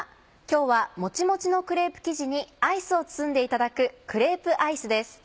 今日はモチモチのクレープ生地にアイスを包んでいただく「クレープアイス」です。